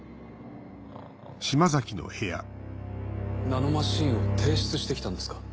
ナノマシンを提出して来たんですか？